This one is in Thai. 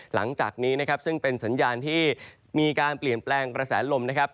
หลังจากนี้นะครับซึ่งเป็นสัญญาณที่มีการเปลี่ยนแปลงกระแสลมนะครับ